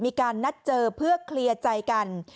มีการนัดเจอเพื่อเคลียร์ใจกัน